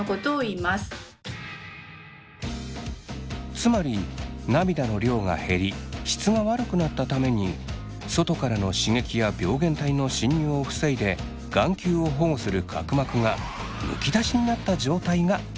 つまり涙の量が減り質が悪くなったために外からの刺激や病原体の侵入を防いで眼球を保護する角膜がむき出しになった状態がドライアイ。